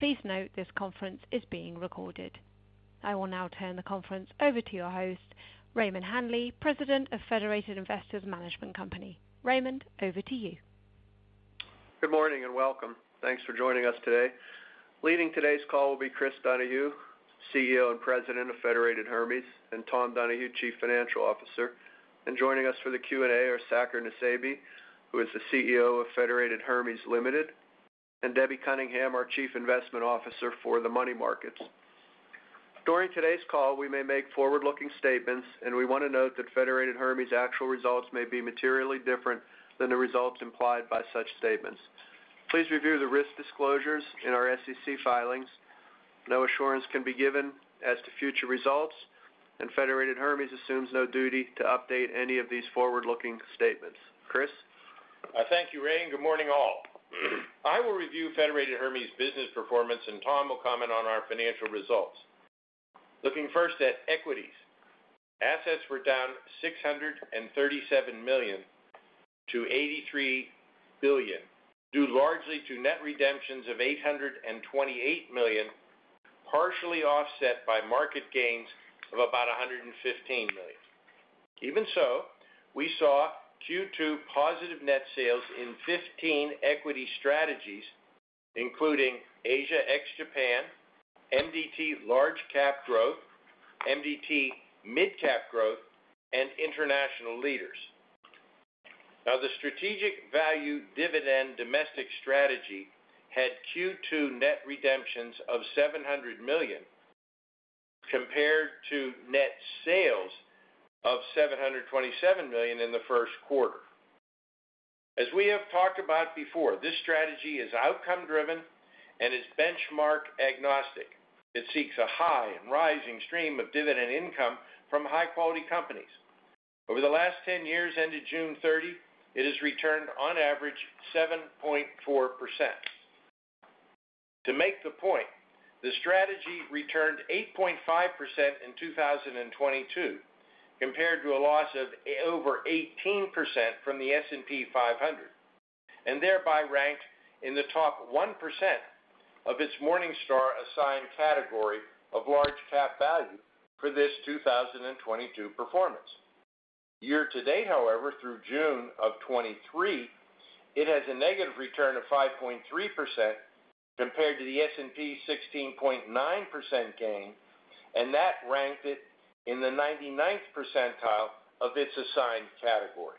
Please note this conference is being recorded. I will now turn the conference over to your host, Raymond Hanley, President of Federated Investors Management Company. Raymond, over to you. Good morning, and welcome. Thanks for joining us today. Leading today's call will be Chris Donahue, CEO and President of Federated Hermes, and Tom Donahue, Chief Financial Officer. Joining us for the Q&A are Saker Nusseibeh, who is the CEO of Federated Hermes Limited, and Deborah Cunningham, our Chief Investment Officer for the money markets. During today's call, we may make forward-looking statements, and we want to note that Federated Hermes actual results may be materially different than the results implied by such statements. Please review the risk disclosures in our SEC filings. No assurance can be given as to future results, and Federated Hermes assumes no duty to update any of these forward-looking statements. Chris? Thank you, Ray. Good morning, all. I will review Federated Hermes business performance, and Tom will comment on our financial results. Looking first at Equities. Assets were down $637 million to $83 billion, due largely to net redemptions of $828 million, partially offset by market gains of about $115 million. Even so, we saw Q2 positive net sales in 15 equity strategies, including Asia ex-Japan, MDT Large Cap Growth, MDT Mid Cap Growth, and International Leaders. The Strategic Value Dividend Domestic Strategy had Q2 net redemptions of $700 million compared to net sales of $727 million in the first quarter. As we have talked about before, this strategy is outcome-driven and is benchmark agnostic. It seeks a high and rising stream of dividend income from high-quality companies. Over the last 10 years, ended June 30, it has returned on average 7.4%. To make the point, the strategy returned 8.5% in 2022, compared to a loss of over 18% from the S&P 500, and thereby ranked in the top 1% of its Morningstar assigned category of large cap value for this 2022 performance. Year-to-date, however, through June of 2023, it has a negative return of 5.3% compared to the S&P 16.9% gain, and that ranked it in the 99th percentile of its assigned category.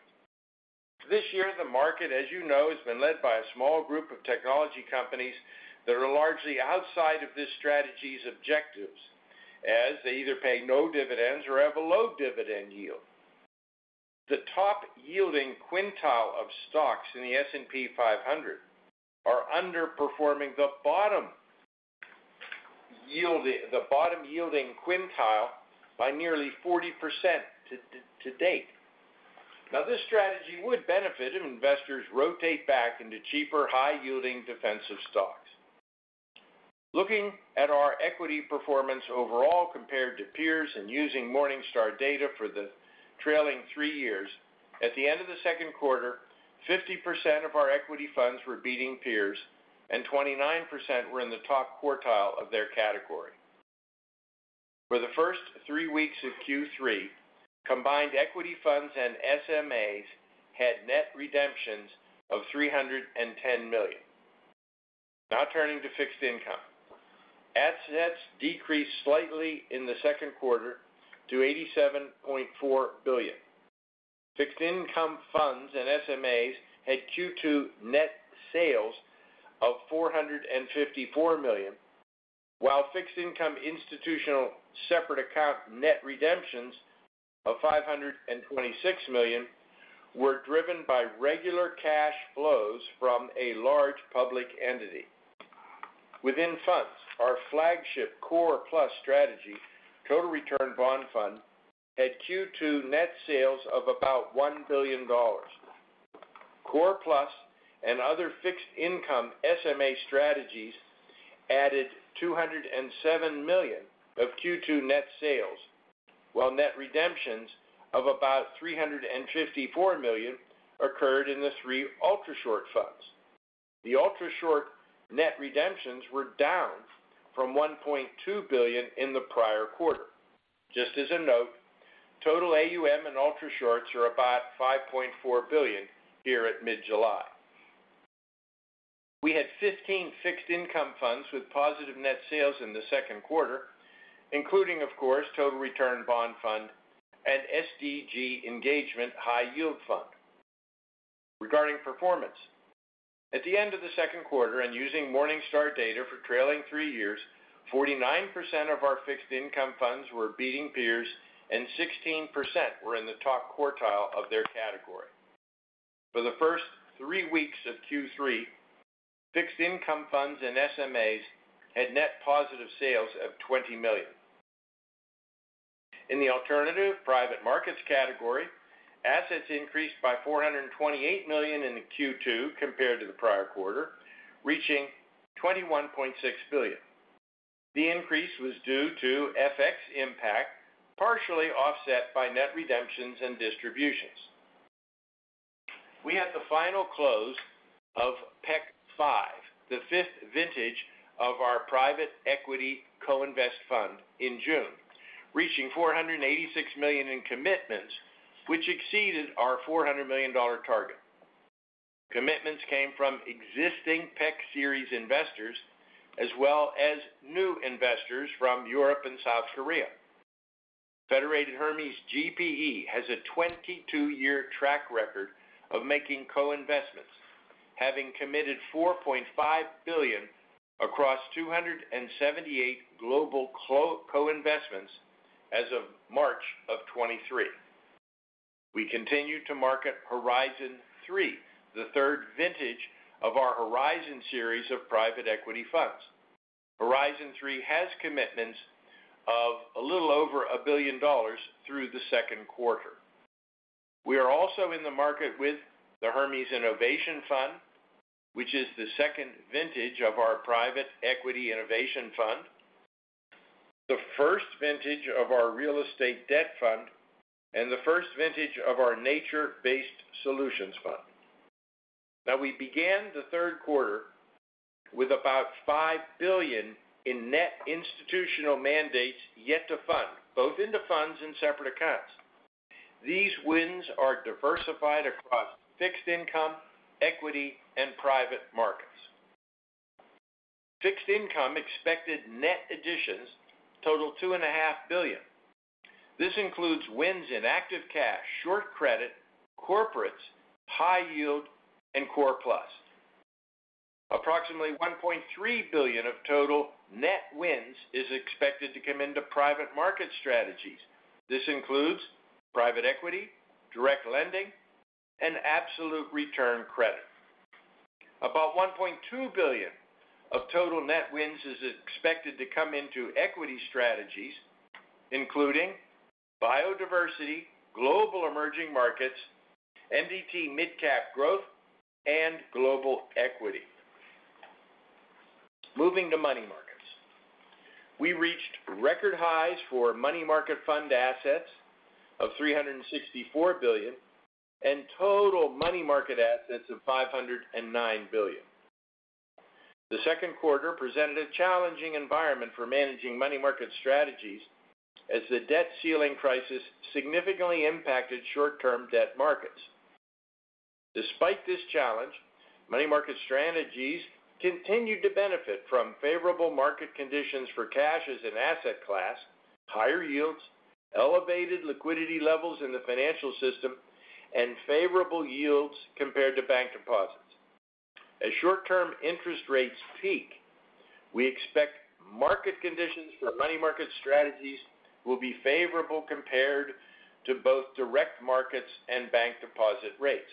This year, the market, as you know, has been led by a small group of technology companies that are largely outside of this strategy's objectives, as they either pay no dividends or have a low dividend yield. The top yielding quintile of stocks in the S&P 500 are underperforming the bottom yielding, the bottom yielding quintile by nearly 40% to date. Now, this strategy would benefit if investors rotate back into cheaper, high-yielding defensive stocks. Looking at our equity performance overall, compared to peers, and using Morningstar data for the trailing three years, at the end of the second quarter, 50% of our equity funds were beating peers, and 29% were in the top quartile of their category. For the first three weeks of Q3, combined equity funds and SMAs had net redemptions of $310 million. Now turning to fixed income. Assets decreased slightly in the second quarter to $87.4 billion. Fixed income funds and SMAs had Q2 net sales of $454 million, while fixed income institutional separate account net redemptions of $526 million were driven by regular cash flows from a large public entity. Within funds, our flagship Core Plus strategy, Total Return Bond Fund, had Q2 net sales of about $1 billion. Core Plus and other fixed income SMA strategies added $207 million of Q2 net sales, while net redemptions of about $354 million occurred in the three Ultrashort funds. The Ultrashort net redemptions were down from $1.2 billion in the prior quarter. Just as a note, total AUM and Ultrashorts are about $5.4 billion here at mid-July. We had 15 fixed income funds with positive net sales in the second quarter, including, of course, Total Return Bond Fund and SDG Engagement High Yield Fund. Regarding performance, at the end of the second quarter, and using Morningstar data for trailing three years, 49% of our fixed Income funds were beating peers and 16% were in the top quartile of their category. For the first three weeks of Q3, fixed income funds and SMAs had net positive sales of $20 million. In the alternative private markets category, assets increased by $428 million in Q2 compared to the prior quarter, reaching $21.6 billion. The increase was due to FX impact, partially offset by net redemptions and distributions.... We had the final close of PEC V, the fifth vintage of our private equity co-invest fund in June, reaching $486 million in commitments, which exceeded our $400 million target. Commitments came from existing PEC series investors, as well as new investors from Europe and South Korea. Federated Hermes GPE has a 22-year track record of making co-investments, having committed $4.5 billion across 278 global co-investments as of March of 2023. We continue to market Horizon III, the third vintage of our Horizon series of private equity funds. Horizon III has commitments of a little over $1 billion through the second quarter. We are also in the market with the Hermes Innovation Fund, which is the second vintage of our Private Equity Innovation Fund, the first vintage of our real estate debt fund, and the first vintage of our nature-based solutions fund. Now, we began the third quarter with about $5 billion in net institutional mandates yet to fund, both into funds and separate accounts. These wins are diversified across fixed income, equity, and private markets. Fixed income expected net additions total $2.5 billion. This includes wins in Active Cash, Short Credit, Corporates, High Yield, and Core Plus. Approximately $1.3 billion of total net wins is expected to come into private market strategies. This includes private equity, direct lending, and absolute return credit. About $1.2 billion of total net wins is expected to come into equity strategies, including biodiversity, global emerging markets, MDT Mid Cap Growth, and global equity. Moving to Money markets. We reached record highs for money market fund assets of $364 billion, and total money market assets of $509 billion. The second quarter presented a challenging environment for managing money market strategies as the debt ceiling crisis significantly impacted short-term debt markets. Despite this challenge, money market strategies continued to benefit from favorable market conditions for cash as an asset class, higher yields, elevated liquidity levels in the financial system, and favorable yields compared to bank deposits. As short-term interest rates peak, we expect market conditions for money market strategies will be favorable compared to both direct markets and bank deposit rates.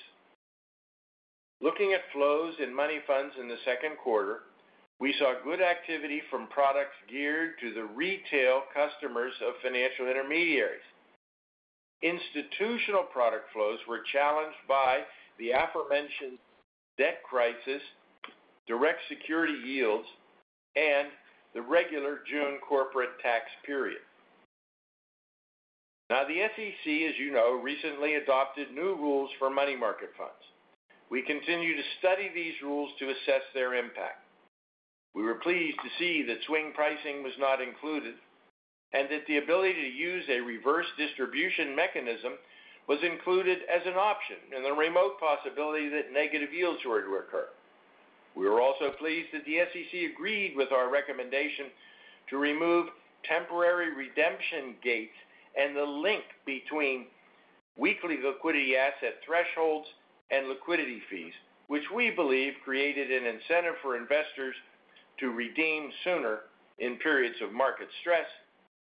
Looking at flows in money funds in the second quarter, we saw good activity from products geared to the retail customers of financial intermediaries. Institutional product flows were challenged by the aforementioned debt crisis, direct security yields, and the regular June corporate tax period. The SEC, as you know, recently adopted new rules for money market funds. We continue to study these rules to assess their impact. We were pleased to see that swing pricing was not included, and that the ability to use a reverse distribution mechanism was included as an option in the remote possibility that negative yields were to occur. We were also pleased that the SEC agreed with our recommendation to remove temporary redemption gates and the link between weekly liquidity asset thresholds and liquidity fees, which we believe created an incentive for investors to redeem sooner in periods of market stress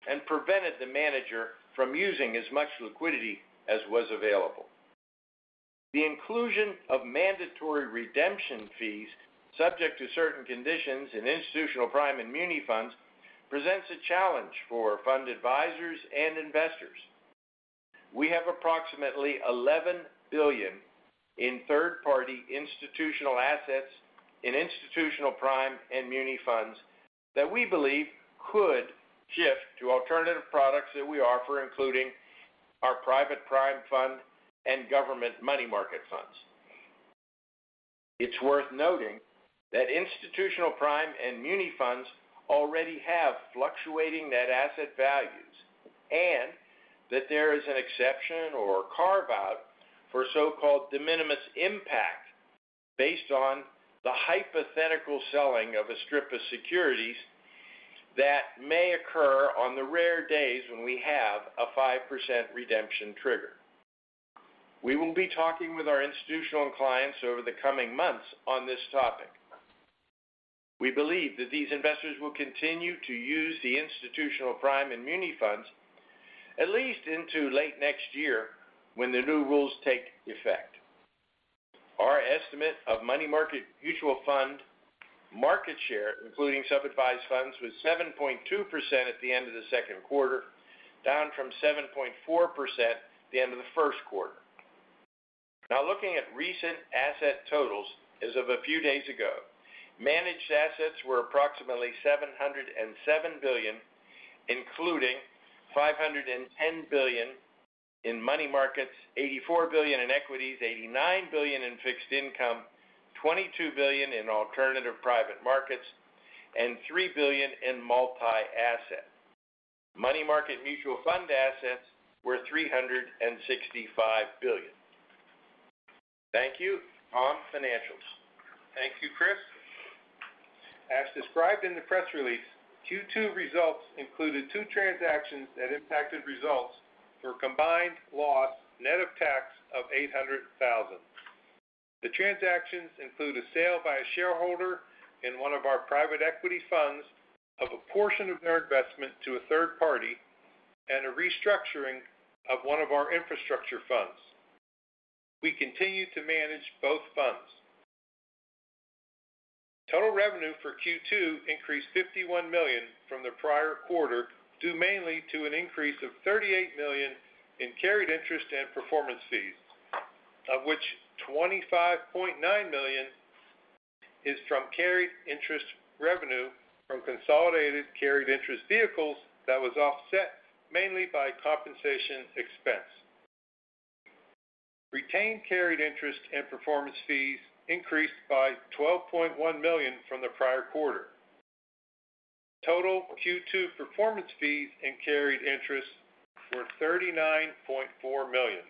and prevented the manager from using as much liquidity as was available. The inclusion of mandatory redemption fees, subject to certain conditions in institutional prime and muni funds, presents a challenge for fund advisors and investors. We have approximately $11 billion in third-party institutional assets in institutional prime and muni funds that we believe could shift to alternative products that we offer, including our private prime fund and government money market funds. It's worth noting that institutional prime and muni funds already have fluctuating net asset values, and that there is an exception or carve-out for so-called de minimis impact based on the hypothetical selling of a strip of securities that may occur on the rare days when we have a 5% redemption trigger. We will be talking with our institutional clients over the coming months on this topic. We believe that these investors will continue to use the institutional prime and muni funds at least into late next year, when the new rules take effect. Our estimate of money market mutual fund market share, including self-advised funds, was 7.2% at the end of the second quarter, down from 7.4% at the end of the first quarter. Now, looking at recent asset totals as of a few days ago, managed assets were approximately $707 billion, including $510 billion in money markets, $84 billion in Equities, $89 billion in Fixed income, $22 billion in Alternative private markets, and $3 billion in multi-asset. Money market mutual fund assets were $365 billion. Thank you. On to financials. Thank you, Chris. As described in the press release, Q2 results included two transactions that impacted results for a combined loss net of tax of $800,000. The transactions include a sale by a shareholder in one of our private equity funds of a portion of their investment to a third party and a restructuring of one of our infrastructure funds. We continue to manage both funds. Total revenue for Q2 increased $51 million from the prior quarter, due mainly to an increase of $38 million in carried interest and performance fees, of which $25.9 million is from carried interest revenue from consolidated carried interest vehicles that was offset mainly by compensation expense. Retained carried interest and performance fees increased by $12.1 million from the prior quarter. Total Q2 performance fees and carried interests were $39.4 million.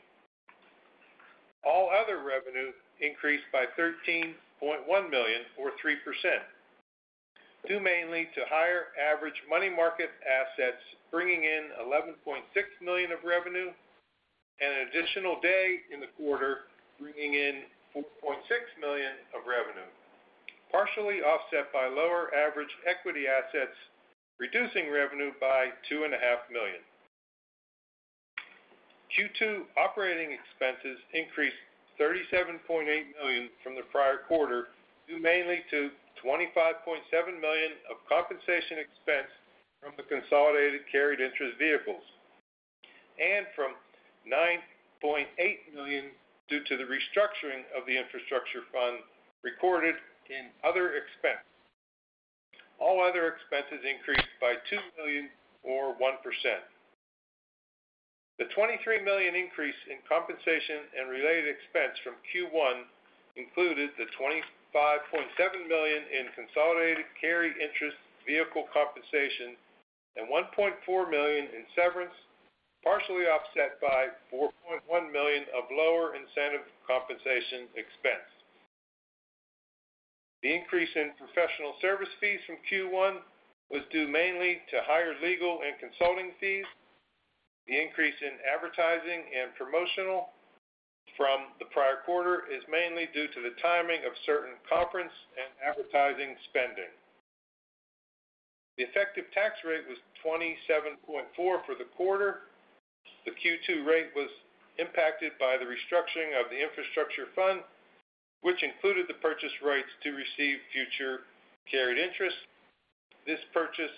All other revenues increased by $13.1 million, or 3%, due mainly to higher average money market assets, bringing in $11.6 million of revenue, and an additional day in the quarter, bringing in $4.6 million of revenue, partially offset by lower average equity assets, reducing revenue by $2.5 million. Q2 operating expenses increased $37.8 million from the prior quarter, due mainly to $25.7 million of compensation expense from the consolidated carried interest vehicles, and from $9.8 million due to the restructuring of the infrastructure fund recorded in other expense. All other expenses increased by $2 million or 1%. The $23 million increase in compensation and related expense from Q1 included the $25.7 million in consolidated carried interest vehicle compensation and $1.4 million in severance, partially offset by $4.1 million of lower incentive compensation expense. The increase in professional service fees from Q1 was due mainly to higher legal and consulting fees. The increase in advertising and promotional from the prior quarter is mainly due to the timing of certain conference and advertising spending. The effective tax rate was 27.4% for the quarter. The Q2 rate was impacted by the restructuring of the infrastructure fund, which included the purchase rights to receive future carried interest. This purchase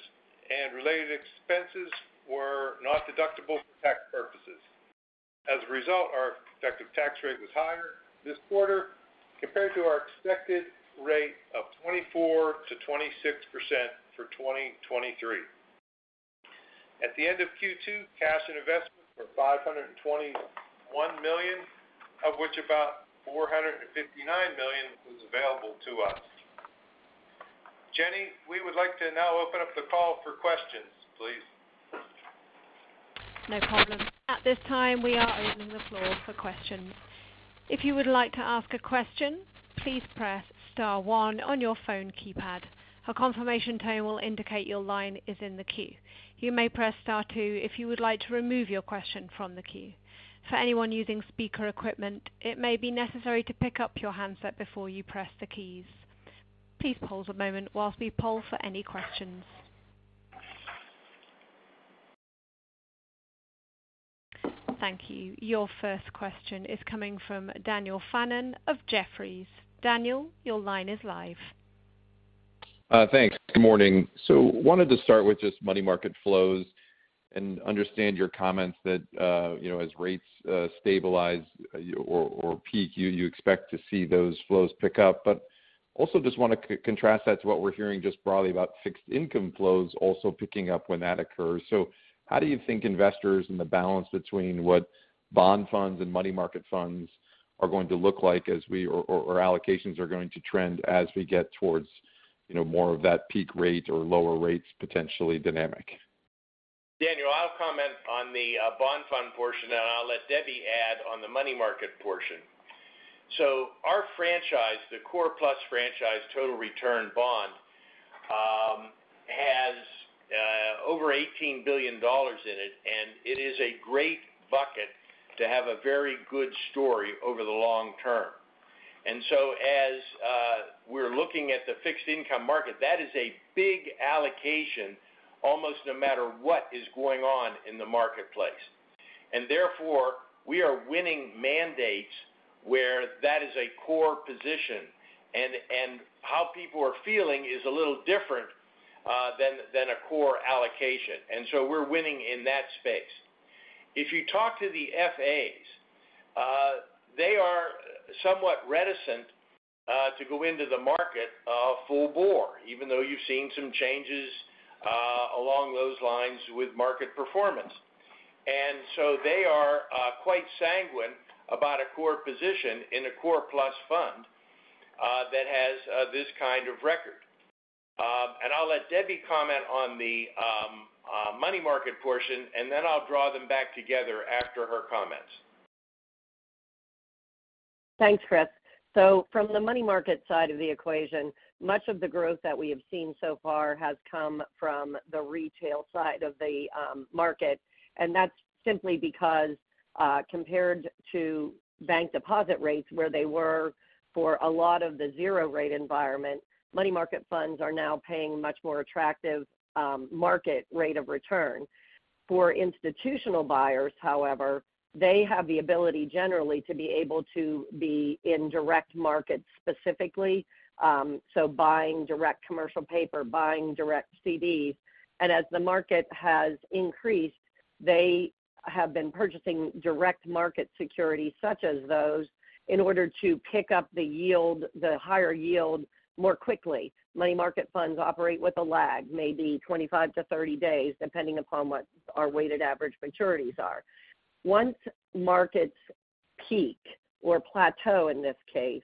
and related expenses were not deductible for tax purposes. As a result, our effective tax rate was higher this quarter compared to our expected rate of 24%-26% for 2023. At the end of Q2, cash and investments were $521 million, of which about $459 million was available to us. Jenny, we would like to now open up the call for questions, please. No problem. At this time, we are opening the floor for questions. If you would like to ask a question, please press star one on your phone keypad. A confirmation tone will indicate your line is in the queue. You may press star two if you would like to remove your question from the queue. For anyone using speaker equipment, it may be necessary to pick up your handset before you press the keys. Please pause a moment whilst we poll for any questions. Thank you. Your first question is coming from Daniel Fannon of Jefferies. Daniel, your line is live. Thanks. Good morning. Wanted to start with just money market flows and understand your comments that, you know, as rates stabilize or peak, you expect to see those flows pick up. Also just want to contrast that to what we're hearing just broadly about fixed income flows also picking up when that occurs. How do you think investors in the balance between what bond funds and money market funds are going to look like as we or allocations are going to trend as we get towards, you know, more of that peak rate or lower rates, potentially dynamic? Daniel, I'll comment on the bond fund portion, and I'll let Debbie add on the money market portion. Our franchise, the Core Plus franchise Total Return Bond, has over $18 billion in it, and it is a great bucket to have a very good story over the long term. As we're looking at the fixed income market, that is a big allocation, almost no matter what is going on in the marketplace. Therefore, we are winning mandates where that is a core position, and, and how people are feeling is a little different than, than a core allocation. We're winning in that space. If you talk to the FAs-... somewhat reticent to go into the market, full bore, even though you've seen some changes along those lines with market performance. So they are quite sanguine about a core position in a Core Plus fund that has this kind of record. I'll let Debbie comment on the money market portion, and then I'll draw them back together after her comments. Thanks, Chris. From the money market side of the equation, much of the growth that we have seen so far has come from the retail side of the market, and that's simply because, compared to bank deposit rates, where they were for a lot of the zero rate environment, money market funds are now paying much more attractive market rate of return. For institutional buyers, however, they have the ability, generally, to be able to be in direct markets specifically. Buying direct commercial paper, buying direct CDs. As the market has increased, they have been purchasing direct market securities, such as those, in order to pick up the yield, the higher yield, more quickly. Money market funds operate with a lag, maybe 25-30 days, depending upon what our weighted average maturities are. Once markets peak or plateau, in this case,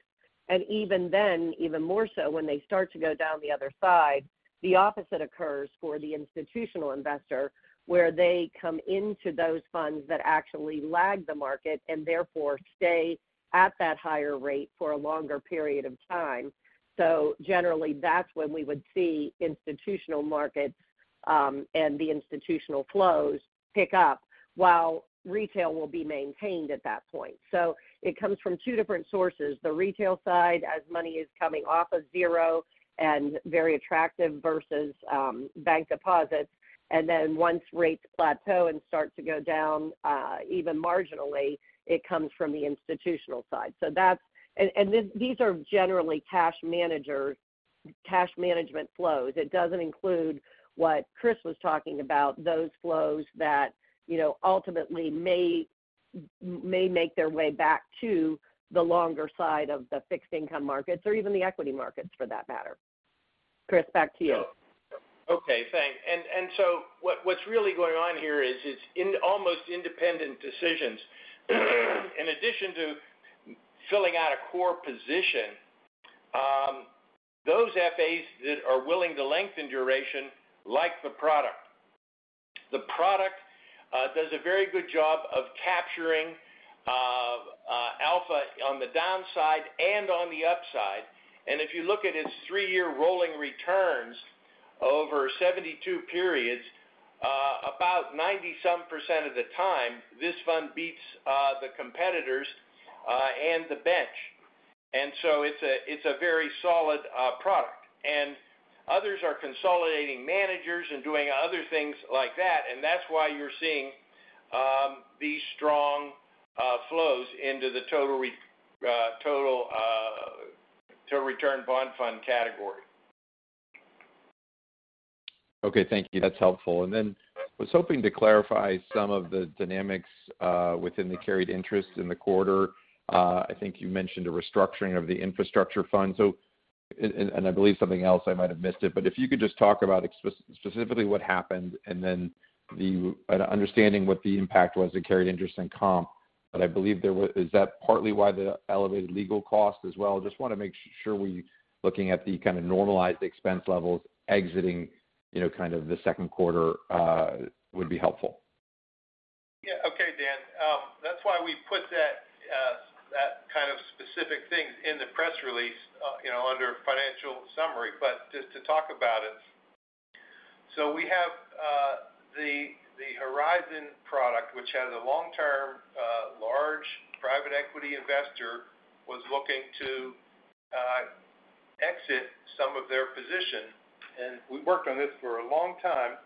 and even then, even more so when they start to go down the other side, the opposite occurs for the institutional investor, where they come into those funds that actually lag the market and therefore stay at that higher rate for a longer period of time. Generally, that's when we would see institutional markets and the institutional flows pick up, while retail will be maintained at that point. It comes from two different sources, the retail side, as money is coming off of zero and very attractive versus bank deposits. Then once rates plateau and start to go down, even marginally, it comes from the institutional side. These are generally cash managers, cash management flows. It doesn't include what Chris was talking about, those flows that, you know, ultimately may make their way back to the longer side of the fixed income markets or even the equity markets, for that matter. Chris, back to you. Okay, thanks. What's really going on here is, it's in almost independent decisions. In addition to filling out a Core position, those FAs that are willing to lengthen duration, like the product. The product does a very good job of capturing alpha on the downside and on the upside. If you look at its three-year rolling returns over 72 periods, about 90% some of the time, this fund beats the competitors and the bench. It's a very solid product. Others are consolidating managers and doing other things like that, and that's why you're seeing these strong flows into the Total Return Bond Fund category. Okay, thank you. That's helpful. Then I was hoping to clarify some of the dynamics within the carried interest in the quarter. I think you mentioned a restructuring of the infrastructure fund. And I believe something else, I might have missed it, but if you could just talk about specifically what happened, and then the understanding what the impact was to carried interest and comp. I believe there was... Is that partly why the elevated legal cost as well? Just wanna make sure we looking at the kind of normalized expense levels exiting, you know, kind of the second quarter, would be helpful. Yeah. Okay, Dan. That's why we put that, that kind of specific things in the press release, you know, under financial summary. Just to talk about it, we have the Horizon product, which has a long-term, large private equity investor, was looking to exit some of their position. We worked on this for a long time,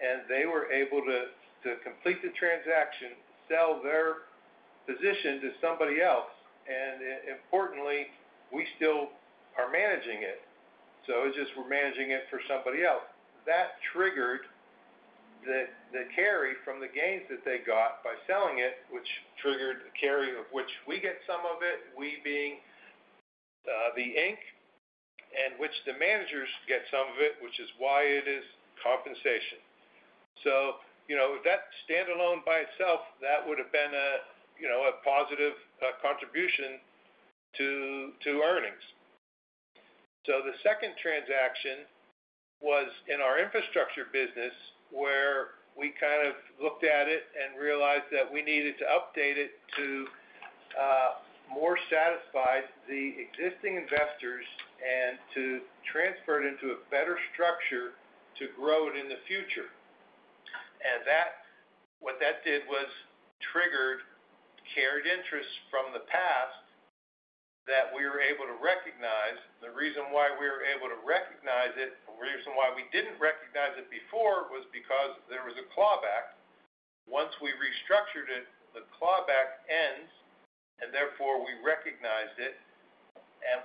and they were able to complete the transaction, sell their position to somebody else, and importantly, we still are managing it. It's just we're managing it for somebody else. That triggered the carry from the gains that they got by selling it, which triggered a carry of which we get some of it, we being, the Inc., and which the managers get some of it, which is why it is compensation. You know, that stand alone by itself, that would have been a, you know, a positive contribution to earnings. The second transaction was in our infrastructure business, where we kind of looked at it and realized that we needed to update it to more satisfy the existing investors and to transfer it into a better structure to grow it in the future. What that did was triggered carried interest from the past that we were able to recognize. The reason why we were able to recognize it, the reason why we didn't recognize it before, was because there was a clawback. Once we restructured it, the clawback ends, and therefore we recognized it.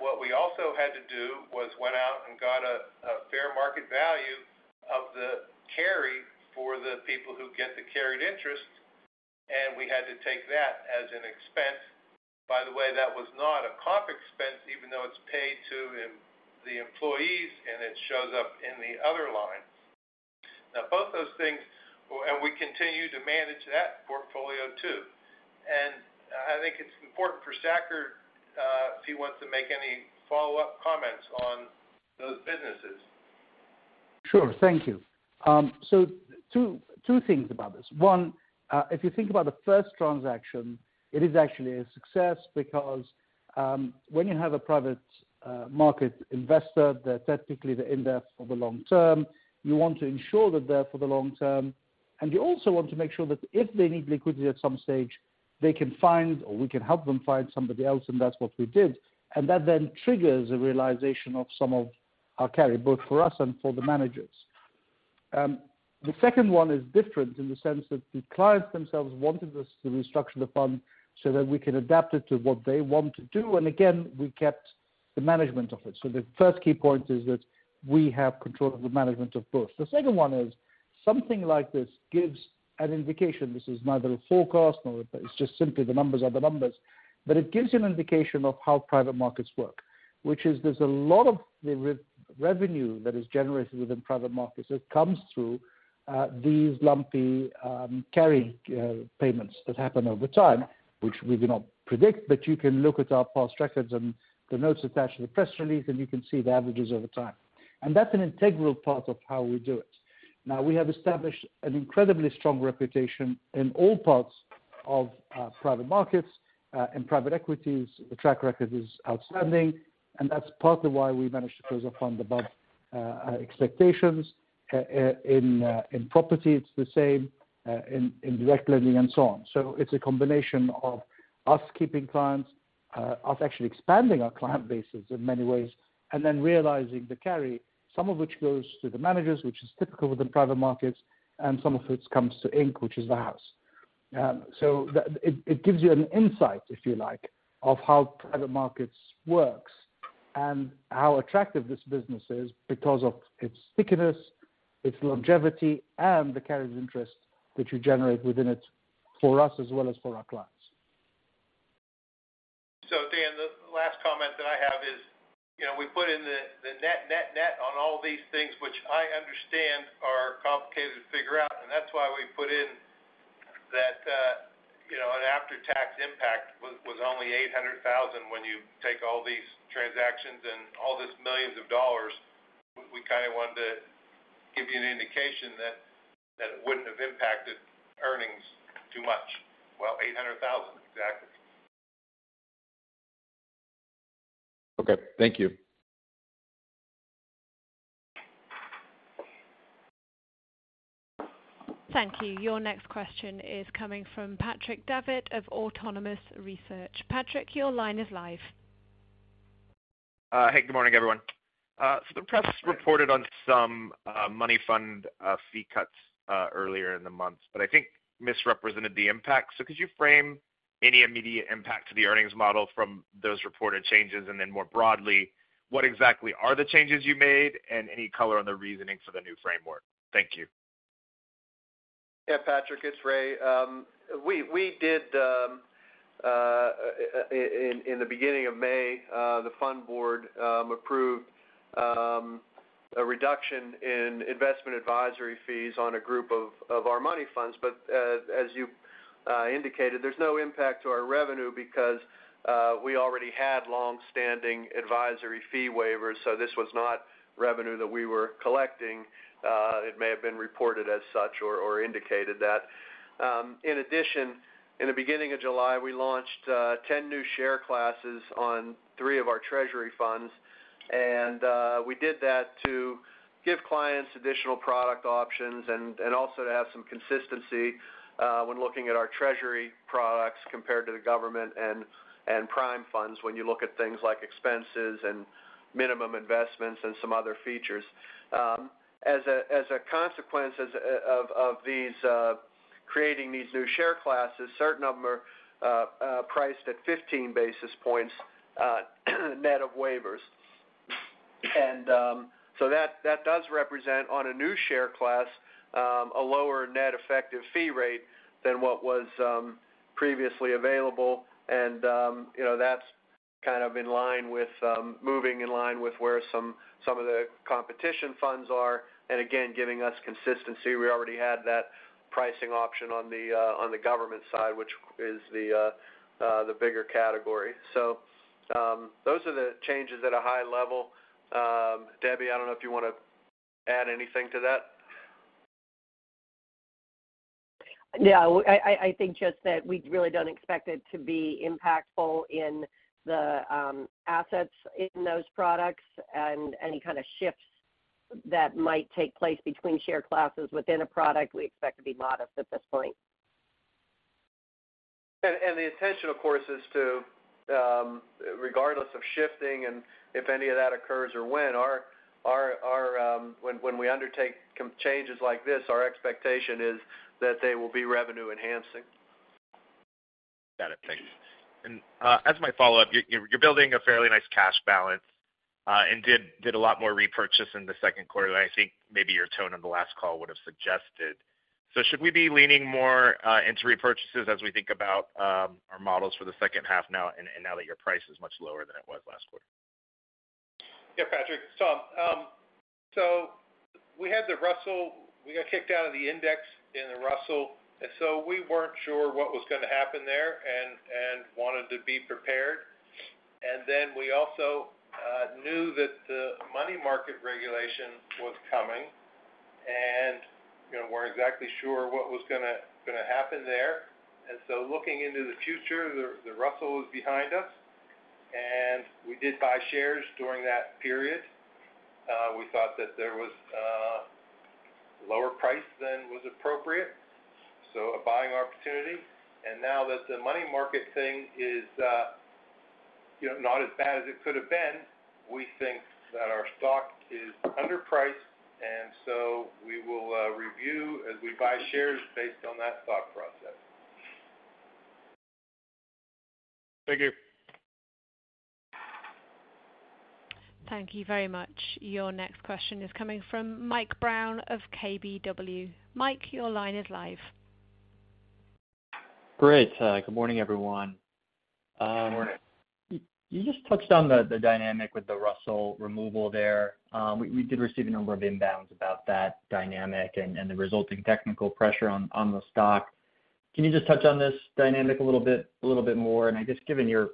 What we also had to do was went out and got a fair market value of the carry for the people who get the carried interest, and we had to take that as an expense. By the way, that was not a comp expense, even though it's paid to in the employees, and it shows up in the other line. Both those things, and we continue to manage that portfolio, too. I think it's important for Saker, if he wants to make any follow-up comments on those businesses. Sure. Thank you. Two, two things about this. One, if you think about the first transaction, it is actually a success because, when you have a private market investor, they're technically they're in there for the long term. You want to ensure that they're for the long term, and you also want to make sure that if they need liquidity at some stage, they can find, or we can help them find somebody else, and that's what we did. That then triggers a realization of some of our carry, both for us and for the managers. The second one is different in the sense that the clients themselves wanted us to restructure the fund so that we can adapt it to what they want to do. Again, we kept the management of it. The first key point is that we have control of the management of both. The second one is something like this gives an indication. This is neither a forecast nor it's just simply the numbers are the numbers, but it gives you an indication of how private markets work. Which is there's a lot of the revenue that is generated within private markets that comes through, these lumpy, carry, payments that happen over time, which we do not predict, but you can look at our past records and the notes attached to the press release, and you can see the averages over time. That's an integral part of how we do it. We have established an incredibly strong reputation in all parts of, private markets, and private equities. The track record is outstanding, and that's partly why we managed to close a fund above expectations. In property, it's the same, in direct lending and so on. So it's a combination of us keeping clients, us actually expanding our client bases in many ways, and then realizing the carry, some of which goes to the managers, which is typical within private markets, and some of which comes to Inc., which is the house. So that it, it gives you an insight, if you like, of how private markets works and how attractive this business is because of its stickiness, its longevity, and the carried interest which you generate within it for us as well as for our clients. Dan, the last comment that I have is, you know, we put in the, the net, net, net on all these things, which I understand are complicated to figure out, and that's why we put in that, you know, an after-tax impact was, was only $800,000 when you take all these transactions and all these millions of dollars. We kind of wanted to give you an indication that, that it wouldn't have impacted earnings too much. Well, $800,000 exactly. Okay. Thank you. Thank you. Your next question is coming from Patrick Davitt of Autonomous Research. Patrick, your line is live. Hey, good morning, everyone. The press reported on some money fund fee cuts earlier in the month, but I think misrepresented the impact. Could you frame any immediate impact to the earnings model from those reported changes? Then more broadly, what exactly are the changes you made? Any color on the reasoning for the new framework? Thank you. Yeah, Patrick, it's Ray. We, we did in the beginning of May, the fund board approved a reduction in investment advisory fees on a group of our money funds. As you indicated, there's no impact to our revenue because we already had long-standing advisory fee waivers, so this was not revenue that we were collecting. It may have been reported as such or indicated that. In addition, in the beginning of July, we launched 10 new share classes on three of our treasury funds, and we did that to give clients additional product options and also to have some consistency when looking at our treasury products compared to the government and prime funds, when you look at things like expenses and minimum investments and some other features. As a consequence of these creating these new share classes, a certain number priced at 15 basis points net of waivers. That, that does represent, on a new share class, a lower net effective fee rate than what was previously available. You know, that's kind of in line with moving in line with where some, some of the competition funds are, and again, giving us consistency. We already had that pricing option on the government side, which is the bigger category. Those are the changes at a high level. Debbie, I don't know if you want to add anything to that? Yeah, well, I think just that we really don't expect it to be impactful in the assets in those products and any kind of shifts that might take place between share classes within a product we expect to be modest at this point. The intention, of course, is to, regardless of shifting and if any of that occurs or when, our, when we undertake changes like this, our expectation is that they will be revenue-enhancing.... Got it. Thanks. As my follow-up, you're, you're building a fairly nice cash balance, and did, did a lot more repurchase in the second quarter than I think maybe your tone on the last call would have suggested. Should we be leaning more into repurchases as we think about, our models for the second half now, and, and now that your price is much lower than it was last quarter? Yeah, Patrick. We had the Russell, we got kicked out of the index in the Russell, and so we weren't sure what was gonna happen there and, and wanted to be prepared. Then we also knew that the money market regulation was coming, and we weren't exactly sure what was gonna, gonna happen there. Looking into the future, the, the Russell was behind us, and we did buy shares during that period. We thought that there was a lower price than was appropriate, so a buying opportunity. Now that the money market thing is, you know, not as bad as it could have been, we think that our stock is underpriced, and so we will review as we buy shares based on that stock process. Thank you. Thank you very much. Your next question is coming from Mike Brown of KBW. Mike, your line is live. Great. Good morning, everyone. Good morning. You just touched on the dynamic with the Russell removal there. We did receive a number of inbounds about that dynamic and the resulting technical pressure on the stock. Can you just touch on this dynamic a little bit more? I guess, given your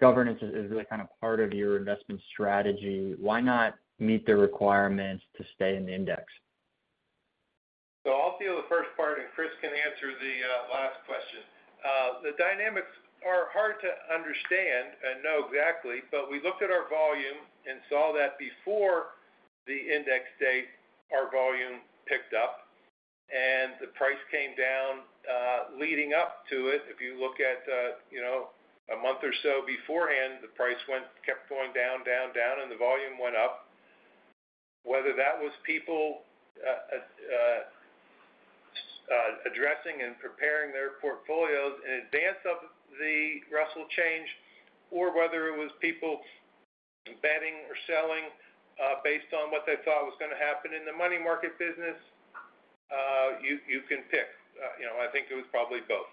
governance is really kind of part of your investment strategy, why not meet the requirements to stay in the index? I'll field the first part, and Chris can answer the last question. The dynamics are hard to understand and know exactly, but we looked at our volume and saw that before the index date, our volume picked up and the price came down leading up to it. If you look at, you know, 1 month or so beforehand, the price kept going down, down, down, and the volume went up. Whether that was people addressing and preparing their portfolios in advance of the Russell change, or whether it was people betting or selling based on what they thought was gonna happen in the money market business, you, you can pick. You know, I think it was probably both.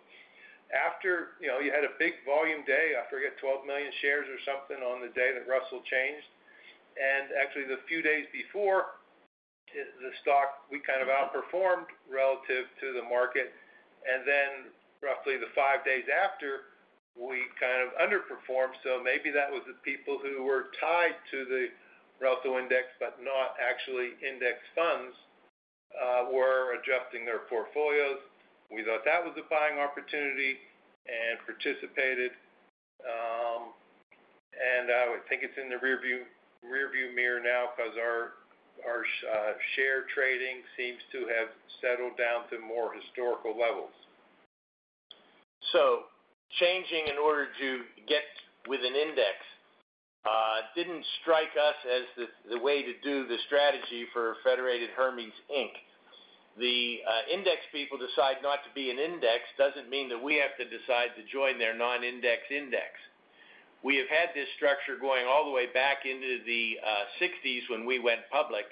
After, you know, you had a big volume day, I forget, 12 million shares or something on the day that Russell changed. Actually, the few days before, the stock, we kind of outperformed relative to the market. Then roughly the five days after, we kind of underperformed. Maybe that was the people who were tied to the Russell Index, but not actually index funds, were adjusting their portfolios. We thought that was a buying opportunity and participated. I would think it's in the rearview, rearview mirror now because our share trading seems to have settled down to more historical levels. Changing in order to get with an index, didn't strike us as the, the way to do the strategy for Federated Hermes, Inc. The index people decide not to be an index, doesn't mean that we have to decide to join their non-index index. We have had this structure going all the way back into the 1960s when we went public.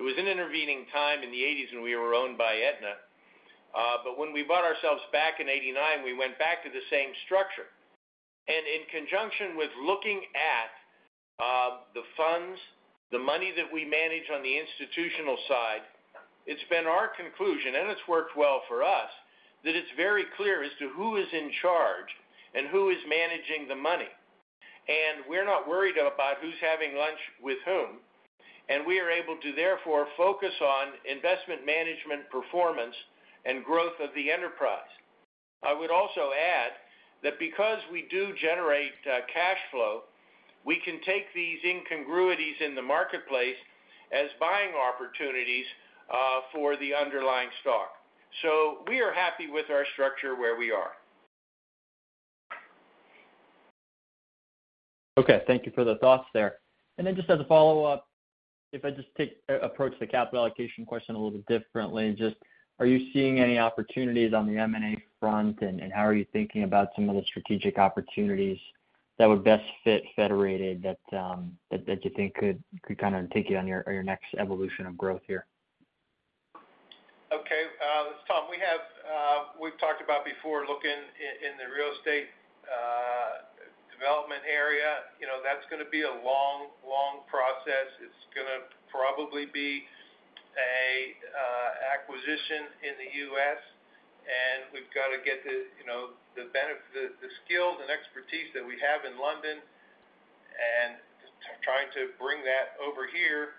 There was an intervening time in the 1980s when we were owned by Aetna, but when we bought ourselves back in 1989, we went back to the same structure. In conjunction with looking at the funds, the money that we manage on the institutional side, it's been our conclusion, and it's worked well for us, that it's very clear as to who is in charge and who is managing the money. We're not worried about who's having lunch with whom, and we are able to therefore focus on investment management performance, and growth of the enterprise. I would also add that because we do generate cash flow, we can take these incongruities in the marketplace as buying opportunities for the underlying stock. We are happy with our structure where we are. Okay, thank you for the thoughts there. Then just as a follow-up, if I just approach the capital allocation question a little bit differently, just are you seeing any opportunities on the M&A front? How are you thinking about some of the strategic opportunities that would best fit Federated that, that you think could, could kind of take you on your, on your next evolution of growth here? Okay, this is Tom, we have, we've talked about before looking in the real estate development area. You know, that's gonna be a long, long process. It's gonna probably be a acquisition in the U.S., and we've got to get the, you know, the skill and expertise that we have in London, and trying to bring that over here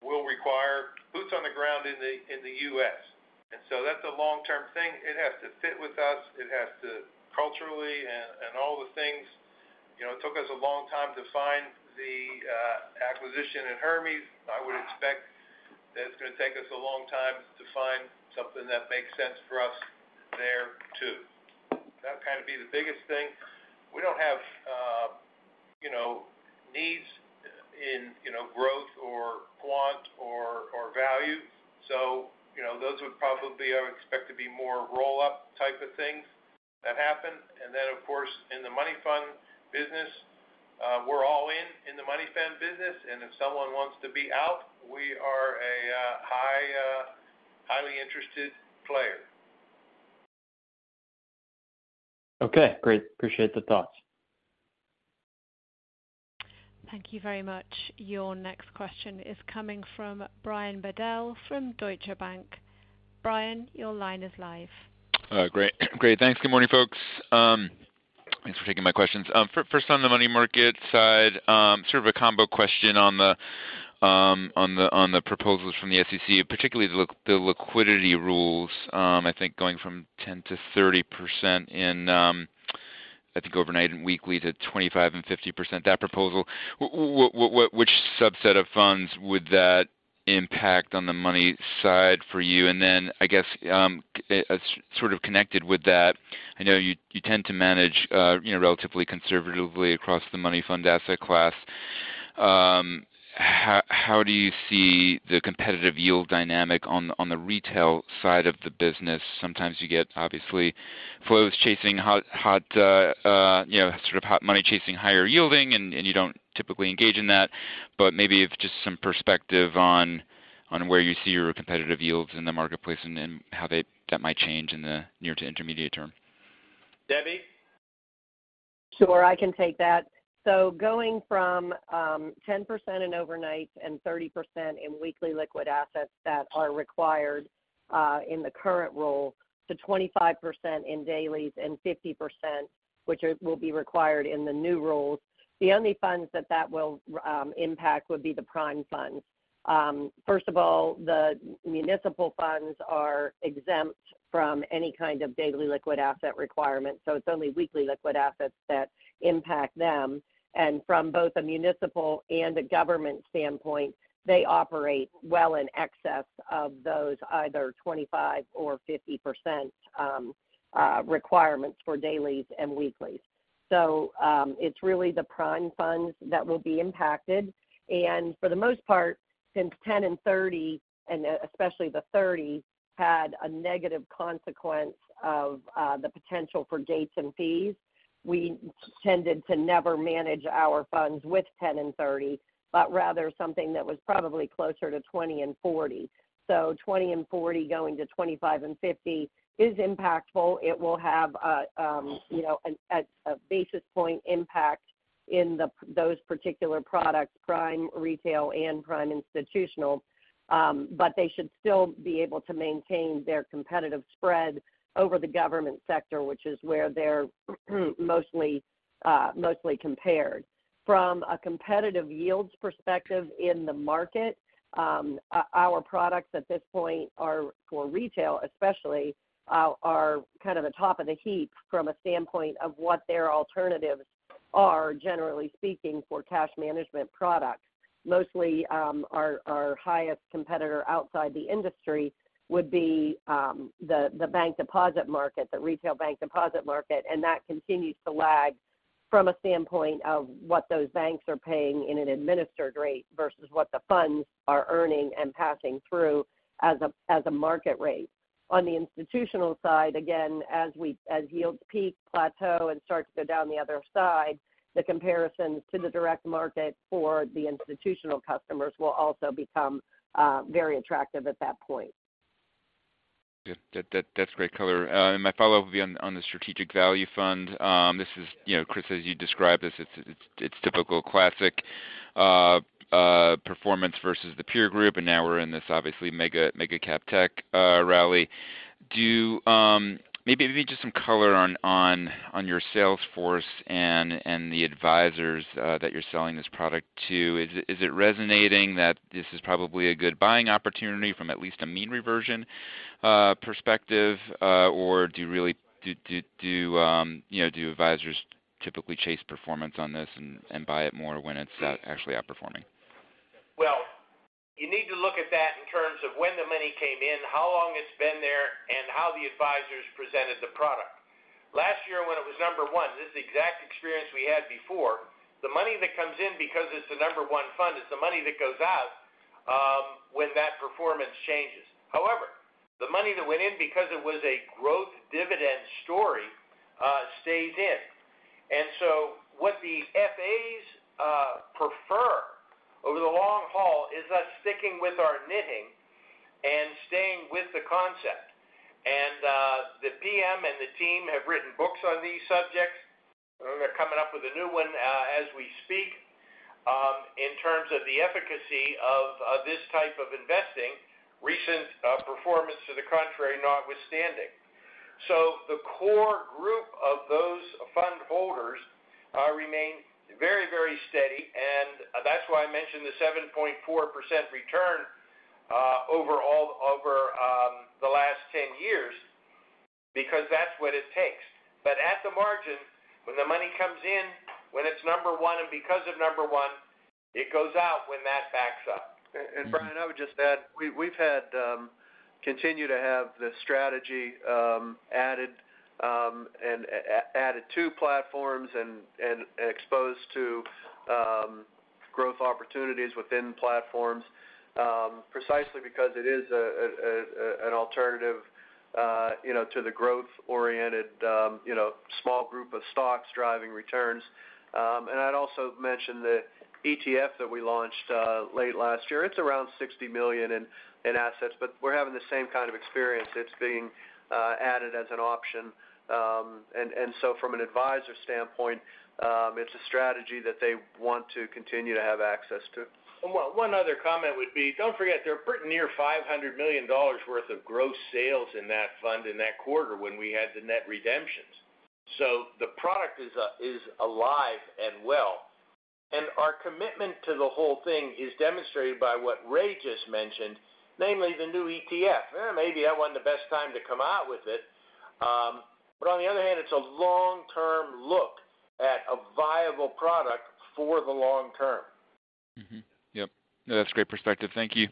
will require boots on the ground in the U.S. That's a long-term thing. It has to fit with us. It has to culturally and, and all the things. You know, it took us a long time to find the acquisition in Hermes. I would expect that it's gonna take us a long time to find something that makes sense for us there, too. That would kind of be the biggest thing. We don't have.... you know, growth or quant or, or value. You know, those would probably, I would expect to be more roll-up type of things that happen. Then, of course, in the money fund business, we're all in, in the money fund business, and if someone wants to be out, we are a highly interested player. Okay, great. Appreciate the thoughts. Thank you very much. Your next question is coming from Brian Bedell from Deutsche Bank. Brian, your line is live. Great. Great. Thanks. Good morning, folks. Thanks for taking my questions. First, on the money market side, sort of a combo question on the proposals from the SEC, particularly the liquidity rules. I think going from 10% to 30% in, I think overnight and weekly to 25% and 50%, that proposal. Which subset of funds would that impact on the money side for you? Then, I guess, as sort of connected with that, I know you, you tend to manage, you know, relatively conservatively across the Money fund asset class. How, how do you see the competitive yield dynamic on, on the retail side of the business? Sometimes you get, obviously, flows chasing hot, hot, you know, sort of hot money chasing higher yielding, and you don't typically engage in that. Maybe if just some perspective on, on where you see your competitive yields in the marketplace and, how that might change in the near to intermediate term. Debbie? Sure, I can take that. Going from 10% in overnight and 30% in weekly liquid assets that are required in the current rule, to 25% in dailies and 50%, which will be required in the new rules. The only funds that will impact would be the prime funds. First of all, the municipal funds are exempt from any kind of daily liquid asset requirement, so it's only weekly liquid assets that impact them. From both a municipal and a government standpoint, they operate well in excess of those, either 25 or 50%, requirements for dailies and weeklies. It's really the prime funds that will be impacted. For the most part, since 10% and 30%, and especially the 30%, had a negative consequence of the potential for gates and fees, we tended to never manage our funds with 10% and 30%, but rather something that was probably closer to 20% and 40%. 20% and 40% going to 25% and 50% is impactful. It will have a, you know, a basis point impact in those particular products, prime retail and prime institutional. They should still be able to maintain their competitive spread over the government sector, which is where they're mostly compared. From a competitive yields perspective in the market, our products at this point are, for retail especially, are kind of the top of the heap from a standpoint of what their alternatives are, generally speaking, for cash management products. Mostly, our, our highest competitor outside the industry would be, the, the bank deposit market, the retail bank deposit market, and that continues to lag from a standpoint of what those banks are paying in an administered rate versus what the funds are earning and passing through as a, as a market rate. On the institutional side, again, as yields peak, plateau, and start to go down the other side, the comparisons to the direct market for the institutional customers will also become, very attractive at that point. Good. That, that, that's great color. My follow-up will be on, on the Strategic Value Fund. This is, you know, Chris, as you described, this, it's, it's typical classic, performance versus the peer group, and now we're in this obviously mega, mega cap tech, rally. Do you... maybe, maybe just some color on, on, on your sales force and, and the advisors, that you're selling this product to. Is it, is it resonating that this is probably a good buying opportunity from at least a mean reversion, perspective? Do you really, you know, do advisors typically chase performance on this and, and buy it more when it's, actually outperforming? Well, you need to look at that in terms of when the money came in, how long it's been there, and how the advisors presented the product. Last year, when it was number one, this is the exact experience we had before. The money that comes in because it's the number one fund, is the money that goes out when that performance changes. However, the money that went in because it was a growth dividend story, stays in. What the FAs prefer over the long haul is us sticking with our knitting and staying with the concept. The PM and the team have written books on these subjects. They're coming up with a new one as we speak. In terms of the efficacy of, of this type of investing, recent performance to the contrary, notwithstanding. The core group of those fund holders, remain very, very steady, and that's why I mentioned the 7.4% return, over the last 10 years, because that's what it takes. At the margin, when the money comes in, when it's number one, and because of number one, it goes out when that backs up. Brian, I would just add, we, we've had continue to have the strategy added and added two platforms and exposed to growth opportunities within platforms precisely because it is an alternative, you know, to the growth-oriented, you know, small group of stocks driving returns. I'd also mention the ETF that we launched late last year. It's around $60 million in assets, but we're having the same kind of experience. It's being added as an option. From an advisor standpoint, it's a strategy that they want to continue to have access to. Well, one other comment would be, don't forget, they're pretty near $500 million worth of gross sales in that fund in that quarter when we had the net redemptions. The product is alive and well, and our commitment to the whole thing is demonstrated by what Ray just mentioned, namely the new ETF. Well, maybe that wasn't the best time to come out with it, but on the other hand, it's a long-term look at a viable product for the long term. Mm-hmm. Yep, that's great perspective. Thank you.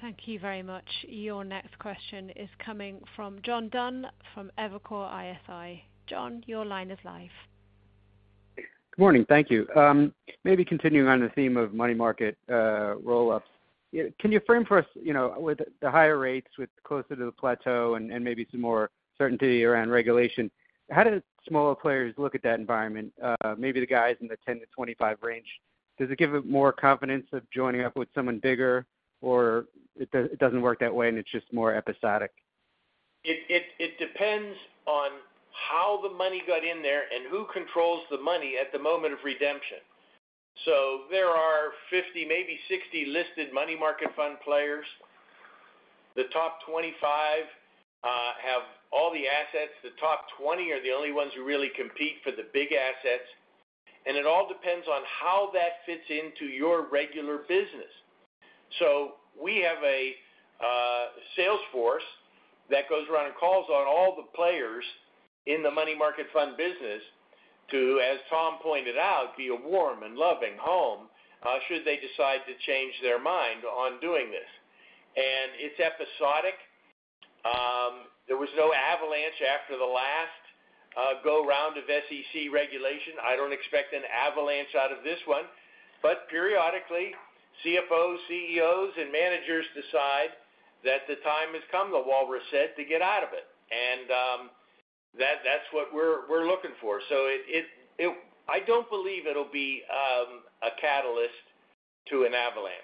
Thank you very much. Your next question is coming from John Dunn from Evercore ISI. John, your line is live. Good morning. Thank you. Maybe continuing on the theme of money market roll-ups. Can you frame for us, you know, with the higher rates, with closer to the plateau and, and maybe some more certainty around regulation, how do smaller players look at that environment? Maybe the guys in the 10%-25% range, does it give them more confidence of joining up with someone bigger, or it doesn't work that way, and it's just more episodic? It depends on how the money got in there and who controls the money at the moment of redemption. There are 50, maybe 60 listed money market fund players. The top 25 have all the assets. The top 20 are the only ones who really compete for the big assets. It all depends on how that fits into your regular business. We have a sales force that goes around and calls on all the players in the money market fund business to, as Tom pointed out, be a warm and loving home should they decide to change their mind on doing this. It's episodic. There was no avalanche after the last go-round of SEC regulation. I don't expect an avalanche out of this one, but periodically, CFOs, CEOs, and managers decide that the time has come, the Walrus said, to get out of it. That, that's what we're, we're looking for. I don't believe it'll be a catalyst to an avalanche.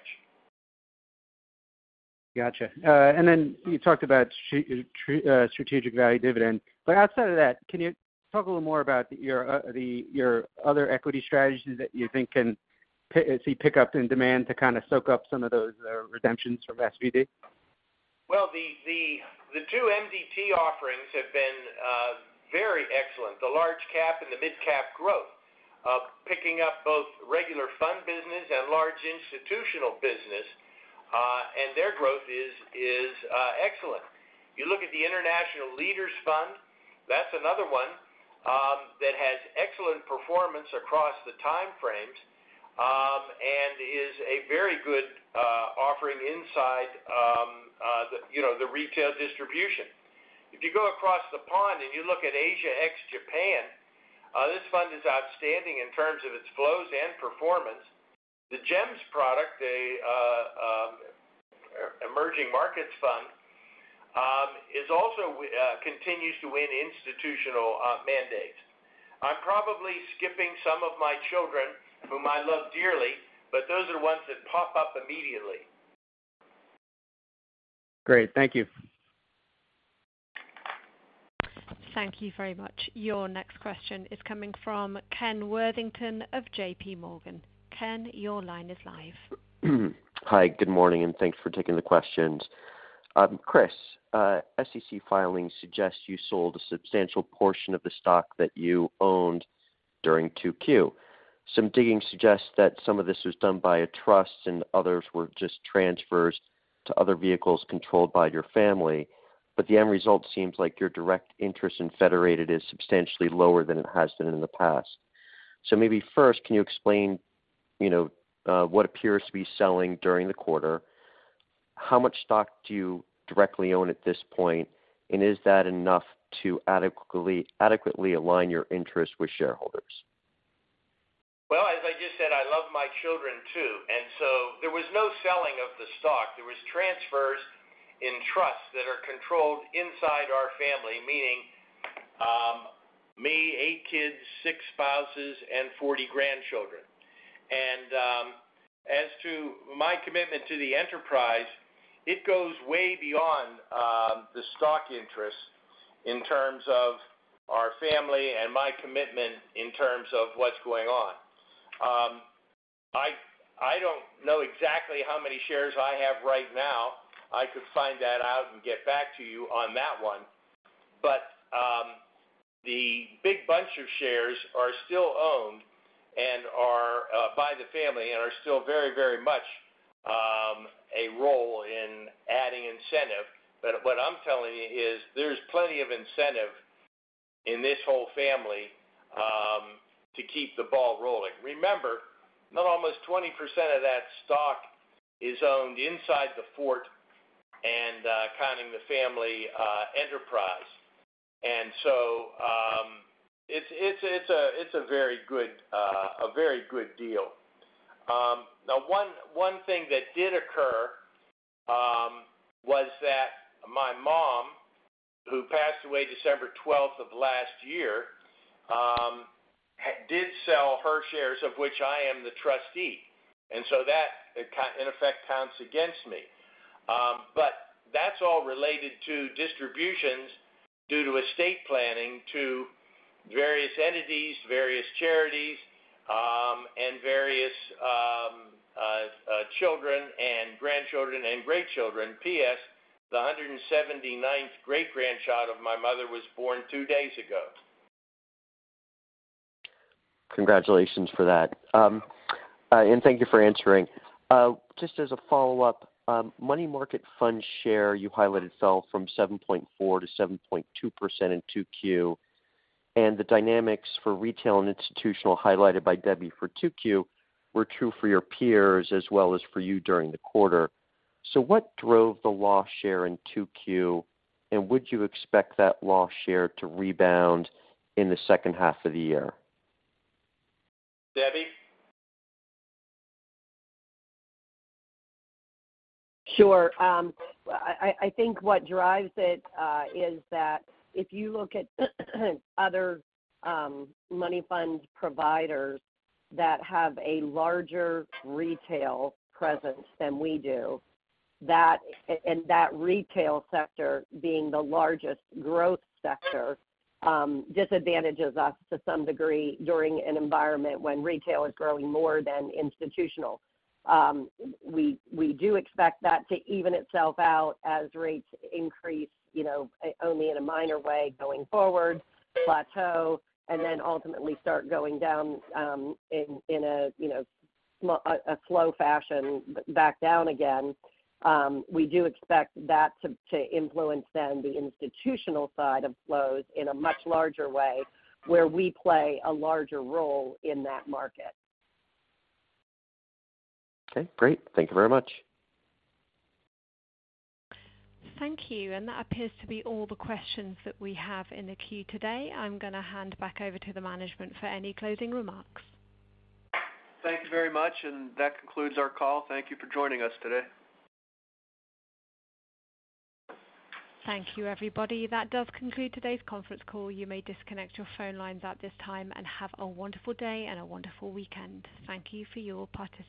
Gotcha. Then you talked about Strategic Value Dividend. Outside of that, can you talk a little more about your other equity strategies that you think can see pickup in demand to kind of soak up some of those redemptions from SVD? Well, the two MDT offerings have been very excellent. The Large Cap and the Mid Cap Growth, picking up both regular fund business and large institutional business, and their growth is excellent. You look at the International Leaders Fund, that's another one, that has excellent performance across the time frames, and is a very good offering inside, you know, the retail distribution. If you go across the pond, you look at Asia ex-Japan, this fund is outstanding in terms of its flows and performance. The GEMS product, a emerging markets fund, is also continues to win institutional mandates. I'm probably skipping some of my children, whom I love dearly, those are ones that pop up immediately. Great. Thank you. Thank you very much. Your next question is coming from Ken Worthington of JPMorgan. Ken, your line is live. Hi, good morning, thanks for taking the questions. Chris, SEC filings suggest you sold a substantial portion of the stock that you owned during 2Q. Some digging suggests that some of this was done by a trust and others were just transfers to other vehicles controlled by your family, the end result seems like your direct interest in Federated is substantially lower than it has been in the past. Maybe first, can you explain, you know, what appears to be selling during the quarter? How much stock do you directly own at this point, is that enough to adequately, adequately align your interest with shareholders? Well, as I just said, I love my children, too, and so there was no selling of the stock. There was transfers in trusts that are controlled inside our family, meaning, me, eight kids, six spouses, and 40 grandchildren. As to my commitment to the enterprise, it goes way beyond, the stock interest in terms of our family and my commitment in terms of what's going on. I, I don't know exactly how many shares I have right now. I could find that out and get back to you on that one. The big bunch of shares are still owned and are by the family and are still very, very much, a role in adding incentive. What I'm telling you is there's plenty of incentive in this whole family to keep the ball rolling. Remember, not almost 20% of that stock is owned inside the fort, counting the family enterprise. So, it's, it's, it's a, it's a very good, a very good deal. Now, one, one thing that did occur was that my mom, who passed away December 12th of last year, did sell her shares, of which I am the trustee, and so that in effect, counts against me. That's all related to distributions due to estate planning to various entities, various charities, and various children and grandchildren and great-grandchildren. PS, the 179th great-grandchild of my mother was born two days ago. Congratulations for that. Thank you for answering. Just as a follow-up, money market fund share, you highlighted, fell from 7.4% to 7.2% in 2Q, and the dynamics for retail and institutional highlighted by Debbie for 2Q, were true for your peers as well as for you during the quarter. What drove the loss share in 2Q, and would you expect that loss share to rebound in the second half of the year? Debbie? Sure. I, I, I think what drives it, is that if you look at, other, money fund providers that have a larger retail presence than we do, that, and that retail sector being the largest growth sector, disadvantages us to some degree during an environment when retail is growing more than institutional. We, we do expect that to even itself out as rates increase, you know, only in a minor way, going forward, plateau, and then ultimately start going down, in, in a, you know, slow, a, a slow fashion back down again. We do expect that to, to influence then the institutional side of flows in a much larger way, where we play a larger role in that market. Okay, great. Thank you very much. Thank you. That appears to be all the questions that we have in the queue today. I'm going to hand back over to the management for any closing remarks. Thank you very much. That concludes our call. Thank you for joining us today. Thank you, everybody. That does conclude today's conference call. You may disconnect your phone lines at this time, and have a wonderful day, and a wonderful weekend. Thank you for your participation.